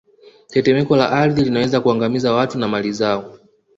Tetemeko la ardhi linaweza kuangamiza watu na mali zao